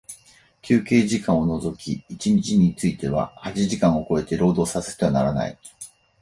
休憩時間を除き一日について八時間を超えて、労働させてはならない。